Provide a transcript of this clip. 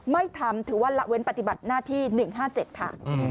ไม่ทำถือว่าละเว้นปฏิบัติหน้าที่๑๕๗ค่ะ